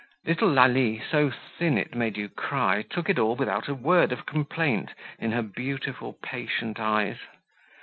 Little Lalie, so thin it made you cry, took it all without a word of complaint in her beautiful, patient eyes.